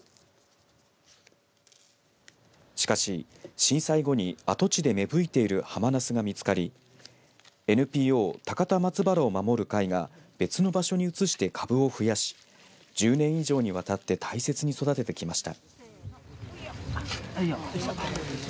しかし、震災後に跡地で芽吹いているハマナスが見つかりＮＰＯ高田松原を守る会が別の場所に移して株を増やし１０年以上にわたって大切に育ててきました。